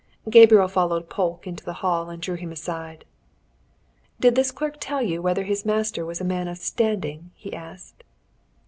Gabriel followed Polke into the hall and drew him aside. "Did this clerk tell you whether his master was a man of standing?" he asked.